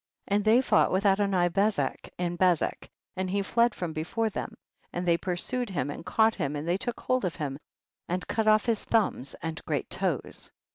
5. And they fought with Adoni bezek in Bezek, and he fled from be fore them, and they pursued him and caught him, and they took hold of him and cut off his thumbs and great toes.